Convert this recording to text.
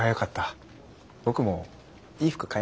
僕もいい服買えましたし。